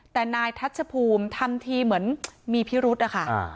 แต่นายทัชภูมิทำทีเหมือนมีพิรุธนะคะ